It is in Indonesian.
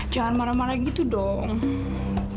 jangan marah marah gitu dong